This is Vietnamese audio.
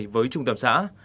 với trung tâm xã